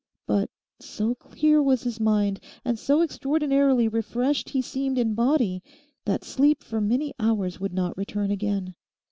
But so clear was his mind and so extraordinarily refreshed he seemed in body that sleep for many hours would not return again.